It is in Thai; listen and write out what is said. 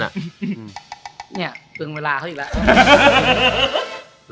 เนี่ยเกิดเวลาเค้าอีกแล้ว